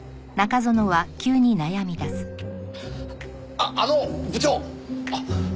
あっあの部長！